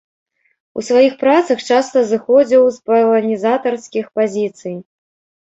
У сваіх працах часта зыходзіў з паланізатарскіх пазіцый.